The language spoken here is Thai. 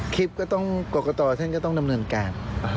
คลิปก็ต้องกรกตท่านก็ต้องดำเนินการ